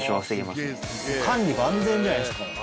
管理万全じゃないすか。